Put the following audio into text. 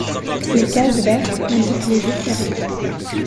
Les cases vertes indiquent les jours fériés.